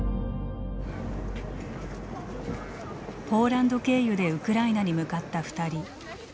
ポーランド経由でウクライナに向かった２人。